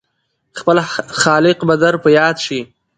خپل خالق به در په ياد شي !